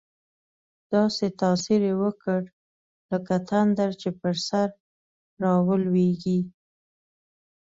داسې تاثیر یې وکړ، لکه تندر چې پر سر راولوېږي.